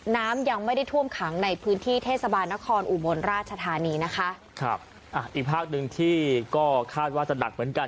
น้ำยังไม่ได้ท่วมขังในพื้นที่เทศบาลนครอุบลราชธานีนะคะครับอ่ะอีกภาคหนึ่งที่ก็คาดว่าจะหนักเหมือนกัน